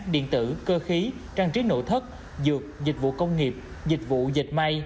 điện tử cơ khí trang trí nội thất dược dịch vụ công nghiệp dịch vụ dịch may